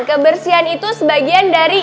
kebersihan itu sebagian dari